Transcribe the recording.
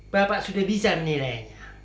bapak sudah bisa menilainya